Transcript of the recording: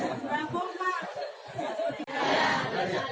kalau sudah besar mau jadi apa